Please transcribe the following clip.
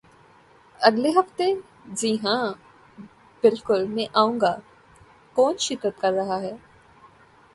اگلے ہفتے؟ جی ہاں، بالکل میں آئوں گا. کون شرکت کر رہا ہے؟